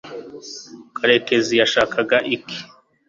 karekezi yashakaga iki